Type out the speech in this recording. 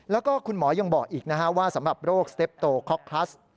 แล้วก็คุณหมอยังบอกอีกนะฮะว่าสำหรับโรคสเต็ปโตค็อกคลัส